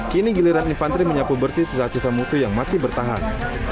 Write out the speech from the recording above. kini giliran infanteri menyapu bersih sisa sisa musuh yang masih bertahan